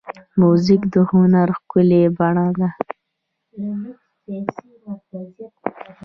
موزیک د هنر ښکلې بڼه ده.